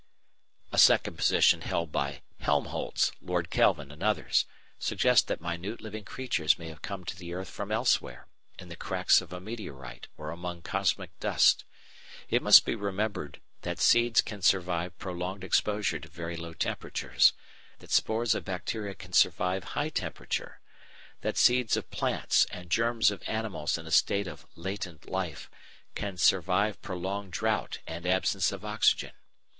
A second position held by Helmholtz, Lord Kelvin, and others, suggests that minute living creatures may have come to the earth from elsewhere, in the cracks of a meteorite or among cosmic dust. It must be remembered that seeds can survive prolonged exposure to very low temperatures; that spores of bacteria can survive high temperature; that seeds of plants and germs of animals in a state of "latent life" can survive prolonged drought and absence of oxygen.